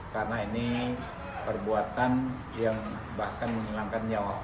karena ini perbuatan yang bahkan menghilangkan nyawa orang